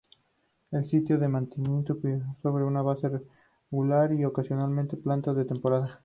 El sitio se mantiene cuidado sobre una base regular y, ocasionalmente plantas de temporada.